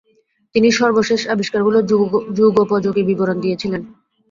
তিনি সর্বশেষ আবিষ্কারগুলোর যুগোপযোগী বিবরণ দিয়েছিলেন।